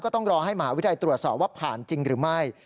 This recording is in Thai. ต้องรอให้มหาวิทยาลัยตรวจสอบว่าผ่านจริงหรือไม่